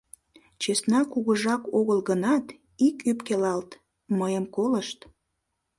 Чесна кугужак огыл гынат, ит ӧпкелалт, мыйым колышт...